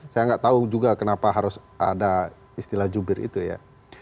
saya nggak tahu juga kenapa harus ada istilah jubir itu ya